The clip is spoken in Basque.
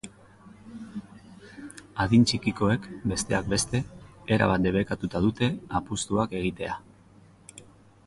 Adin txikikoek, besteak beste, erabat debekatuta dute apustuak egitea.